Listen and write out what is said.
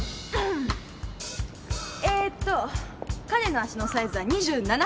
えーと彼の足のサイズは２７半です。